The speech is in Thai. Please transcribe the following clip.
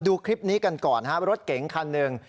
ดูคลิปนี้กันก่อนฮะรถเก๋งคันหนึ่ง